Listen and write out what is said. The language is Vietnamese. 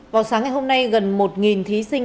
vào sáng ngày hôm nay gần một thí sinh